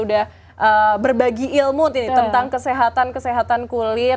sudah berbagi ilmu tentang kesehatan kulit